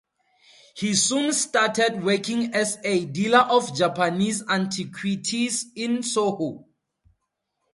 He soon started working as a dealer of Japanese antiquities in Soho.